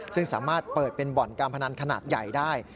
ซึ่งสามารถเปิดเป็นบ่อนการพนันขนาดใหญ่ได้